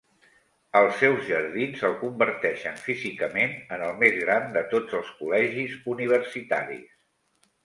Els seus jardins el converteixen físicament en el més gran de tots els col·legis universitaris.